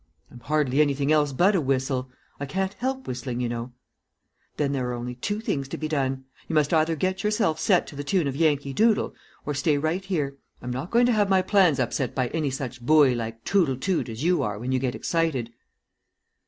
"I'm hardly anything else but a whistle. I can't help whistling, you know." "Then there are only two things to be done. You must either get yourself set to the tune of Yankee Doodle, or stay right here. I'm not going to have my plans upset by any such buoy like tootle toot as you are when you get excited."